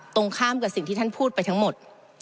ตรงข้ามกับสิ่งที่ท่านพูดไปทั้งหมด